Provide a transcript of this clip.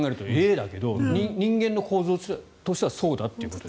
だけど人間の構造としてはそうだと。